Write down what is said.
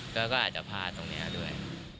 ก็อาจจะพลาดตรงนี้ด้วย